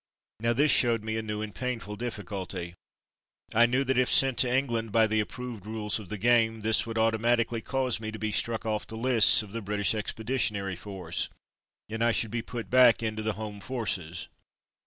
Now this showed me a new and painful difficulty. I knew that if sent to England, by the approved rules of the game, this would automatically cause me to be struck off the lists of the British Expedition ary Force, and I should be put back in the home forces.